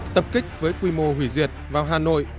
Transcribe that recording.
tập kích với quy mô hủy diệt vào hà nội